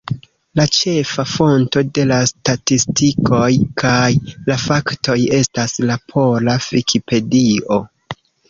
La ĉefa fonto de la statistikoj kaj la faktoj estas la pola Vikipedio.